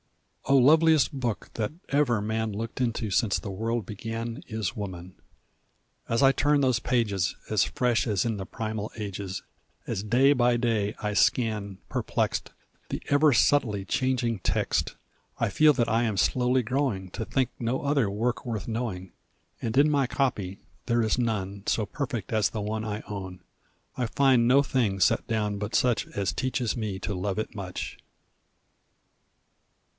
O loveliest book that ever man Looked into since the world began Is Woman! As I turn those pages, As fresh as in the primal ages, As day by day I scan, perplext, The ever subtly changing text, I feel that I am slowly growing To think no other work worth knowing. And in my copy there is none So perfect as the one I own I find no thing set down but such As teaches me to love it much.